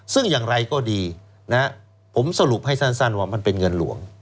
ซึ่งอย่างไรก็ดีนะผมสรุปให้สั้นว่ามันเป็นเงินหลวง